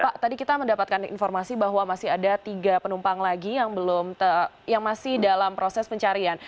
pak tadi kita mendapatkan informasi bahwa masih ada tiga penumpang lagi yang masih dalam proses pencarian